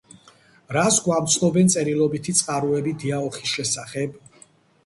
რას გვამცნობენ წერილობითი წყაროები დიაოხის შესახებ?